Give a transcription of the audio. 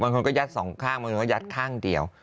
บางคนก็ยัดสองข้างบางคนก็ยัดข้างเดียว